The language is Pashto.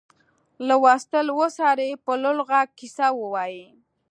لوستل وڅاري په لوړ غږ کیسه ووايي.